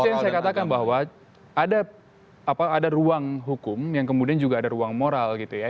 itu yang saya katakan bahwa ada ruang hukum yang kemudian juga ada ruang moral gitu ya